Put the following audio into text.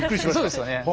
そうですよね。